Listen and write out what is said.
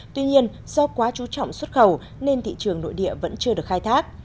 tuy nhiên do quá chú trọng xuất khẩu nên thị trường nội địa vẫn chưa được khai thác